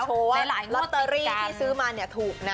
เพราะว่าลอตเตอรี่ที่ซื้อมาเนี่ยถูกนะ